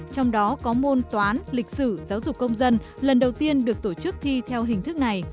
trong đó có môn toán lịch sử giáo dục công dân lần đầu tiên được tổ chức thi theo hình thức này